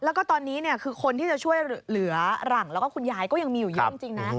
แล้วก็ตอนนี้คือคนที่จะช่วยเหลือหลังแล้วก็คุณยายก็ยังมีอยู่เยอะจริงนะ